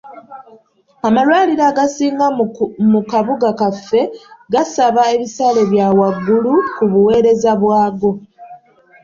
Amalwaliro agasinga mu kabuga kaffe gasaba ebisale bya waggulu ku buweereza bwago.